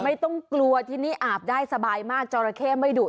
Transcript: ไม่ต้องกลัวที่นี่อาบได้สบายมากจอราเข้ไม่ดุ